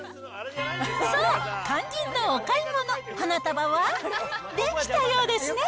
そう、肝心のお買い物、花束は出来たようですね。